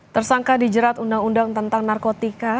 tersangka dijerat undang undang tentang narkotika